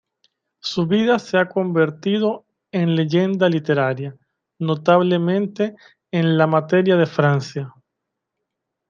Su vida se ha convertido en leyenda literaria, notablemente en la Materia de Francia.